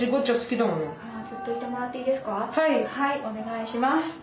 お願いします。